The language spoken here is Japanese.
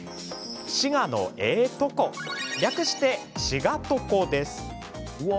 「滋賀のええトコ」略して「しがトコ」です。